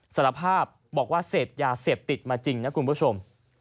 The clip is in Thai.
สารภาพบอกว่าเสพยาเสพติดมาจริงนะคุณผู้ชม